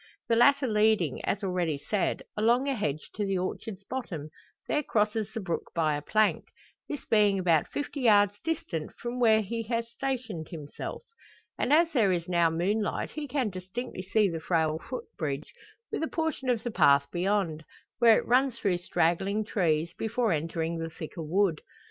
The latter leading, as already said, along a hedge to the orchard's bottom, there crosses the brook by a plank this being about fifty yards distant from where he has stationed himself. And as there is now moonlight he can distinctly see the frail footbridge, with a portion of the path beyond, where it runs through straggling trees, before entering the thicker wood.